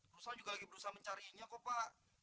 berusaha juga lagi berusaha mencarinya bapak